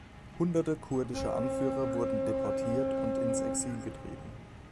Hunderte kurdischer Anführer wurden deportiert und ins Exil getrieben.